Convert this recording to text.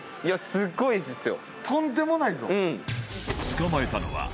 すごいですね！